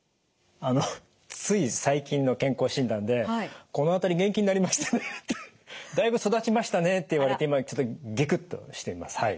あのつい最近の健康診断で「この辺り元気になりましたね」って「だいぶ育ちましたね」って言われて今ちょっとギクッとしています。